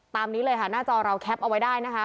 นี้เลยค่ะหน้าจอเราแคปเอาไว้ได้นะคะ